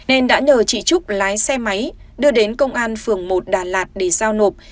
nên đã nhờ chị trúc lái xe máy đưa đến công an phường một đà lạt để giao nộp